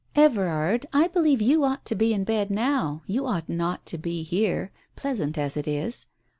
"Everard, I believe you ought to be in bed now, you ought not to be here — pleasant as it is.